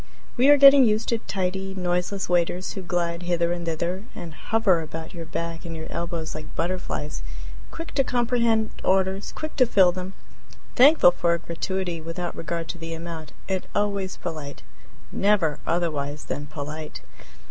We are getting used to tidy, noiseless waiters, who glide hither and thither, and hover about your back and your elbows like butterflies, quick to comprehend orders, quick to fill them; thankful for a gratuity without regard to the amount; and always polite never otherwise than polite.